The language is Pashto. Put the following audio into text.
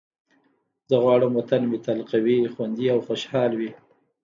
زه غواړم وطن مې تل قوي، خوندي او خوشحال وي.